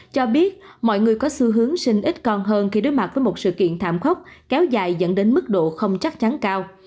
cho biết mọi người có xu hướng sinh ít con hơn khi đối mặt với một sự kiện thảm khốc kéo dài dẫn đến mức độ không chắc chắn cao